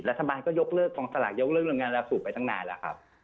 รัฐบาลก็ยกเลิกทรงสลักยกเลิกลงงานราศูไปตั้งนานแล้วครับ